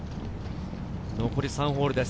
残り３ホールです。